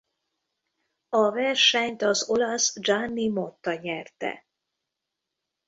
A versenyt az olasz Gianni Motta nyerte.